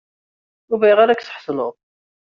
Ur bɣiɣ ara ad k-ssḥeṣleɣ.